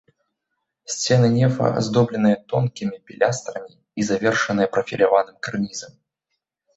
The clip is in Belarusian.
Сцены нефа аздобленыя тонкімі пілястрамі і завершаныя прафіляваным карнізам.